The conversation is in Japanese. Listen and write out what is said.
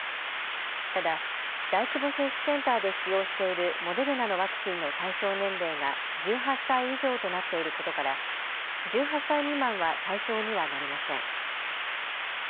ただ、大規模接種センターで使用しているモデルナのワクチンの対象年齢が１８歳以上となっていることから１８歳未満は対象にはなりません。